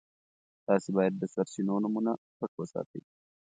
تاسي باید د سرچینو نومونه پټ وساتئ.